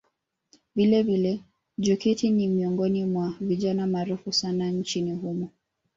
Vilevile Joketi ni miongoni mwa vijana maarufu sana nchini humo